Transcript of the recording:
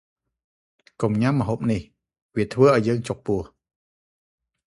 កុំញ៉ាំម្ហូបនេះ វាធ្វើឱ្យយើងចុកពោះ ។